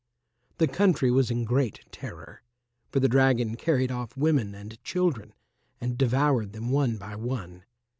The country was in great terror, for the dragon carried off women and children and devoured them one by one.